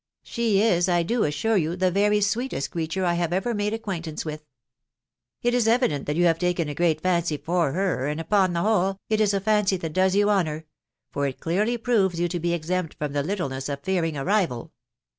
She is, I do assure you, the very sweetest creature I ever made ac quaintance with." *" It is evident that you have taken a great fancy for her, .... and, upon the whole, it is a fancy that does you honour, for it clearly proves you to be exempt from the littleness of fearing a rival.